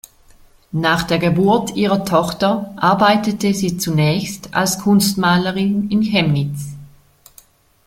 Nach der Geburt ihrer Tochter arbeitete sie zunächst als Kunstmalerin in Chemnitz.